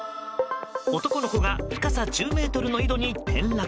男の子が深さ１０ｍの井戸に転落。